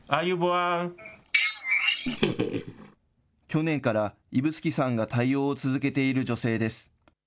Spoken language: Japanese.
去年から指宿さんが対応を続けている女性です。